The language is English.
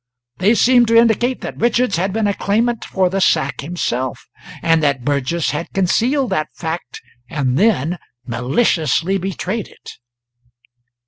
They seemed to indicate that Richards had been a claimant for the sack himself, and that Burgess had concealed that fact and then maliciously betrayed it.